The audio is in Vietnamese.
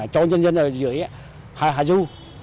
cho nhân dân ở dưới hà du